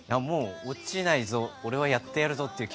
落ちないぞ俺はやってやるぞという